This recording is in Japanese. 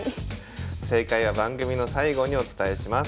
正解は番組の最後にお伝えします。